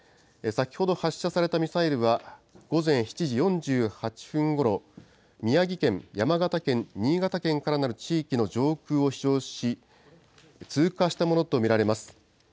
先ほど発射されたミサイルは、午前７時４８分ごろ、宮城県、山形県、新潟県からなる地域の上空を飛しょうし、通過したものと見られます。